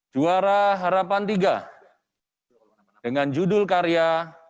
juara harapan tiga dengan judul karya